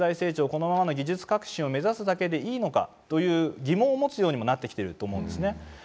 このままの技術革新を目指すだけでいいのかという疑問を持つようにもなってきていると思うんですよね。